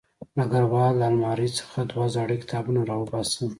ډګروال له المارۍ څخه دوه زاړه کتابونه راوباسل